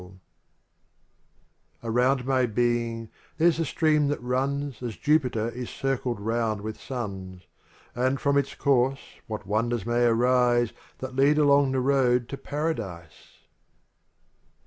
jt' ■ LXXV I Around my being, there's a stream that runs ■ As Jupiter is circled round with suns, And from its course what wonders may arise That lead along the road to Paradise?